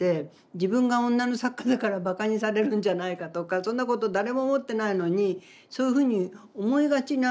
自分が女の作家だからばかにされるんじゃないかとかそんなこと誰も思ってないのにそういうふうに思いがちな方でしたよね。